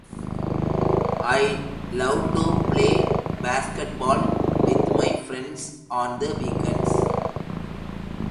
I love to play basketball with my friends on the weekends.